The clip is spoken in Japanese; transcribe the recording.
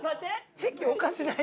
癖おかしない？